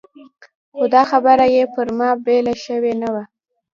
خو دا خبره یې پر ما بېله شوې نه وه.